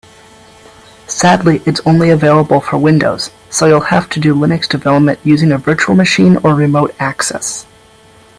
Sadly, it's only available for Windows, so you'll have to do Linux development using a virtual machine or remote access.